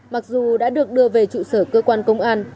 mặc dù đã được đưa về trụ sở cơ quan công an